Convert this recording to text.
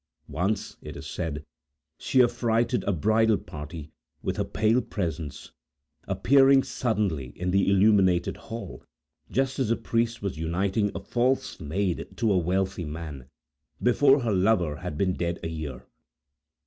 Once, it is said, she affrighted a bridal party, with her pale presence, appearing suddenly in the illuminated hall, just as the priest was uniting a false maid to a wealthy man, before her lover had been dead a year.